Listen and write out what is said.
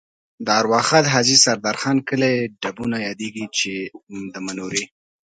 د ارواښاد حاجي سردار خان کلی ډبونه یادېږي چې د منورې